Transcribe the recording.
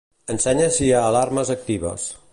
Ensenya si hi ha alarmes actives.